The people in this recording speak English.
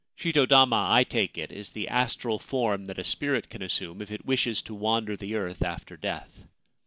Shito dama, I take it, is the astral form that a spirit can assume if it wishes to wander the earth after death.